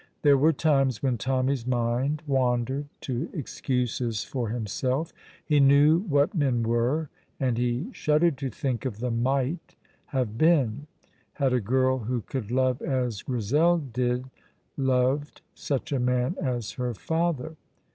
There were times when Tommy's mind wandered to excuses for himself; he knew what men were, and he shuddered to think of the might have been, had a girl who could love as Grizel did loved such a man as her father.